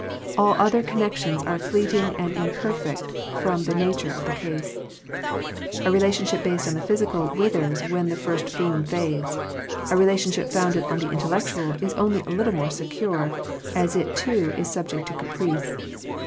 All other connections are fleeting and im perfect from the nature of the case. A relationship based on the physical with ers when the first bloom fades: a rela tionship founded on the intellectual is only a little more secure, as it too is sub ject to caprice.